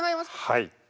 はい。